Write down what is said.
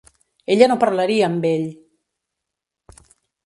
Ella no parlaria amb ell!!!